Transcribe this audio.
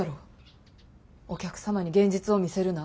お客様に現実を見せるなって。